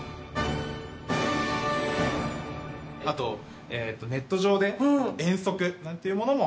あとネット上で遠足なんていうものも。